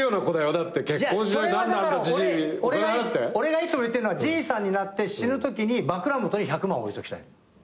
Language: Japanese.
俺がいつも言ってるのはじいさんになって死ぬときに枕元に１００万置いときたいの。